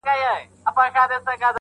گراني بس څو ورځي لا پاته دي,